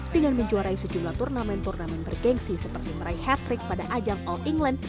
dengan menjuarai sejumlah turnamen turnamen bergensi seperti meraih hat trick pada ajang all england